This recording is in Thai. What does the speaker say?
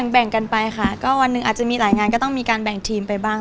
แบ่งกันไปค่ะก็วันหนึ่งอาจจะมีหลายงานก็ต้องมีการแบ่งทีมไปบ้าง